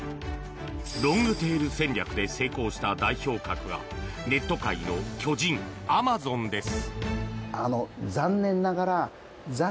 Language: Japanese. ロングテール戦略で成功した代表格がネット界の巨人、アマゾンです。